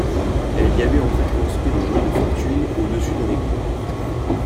Elle y avait en fait construit un lit de fortune au-dessus d'un égout.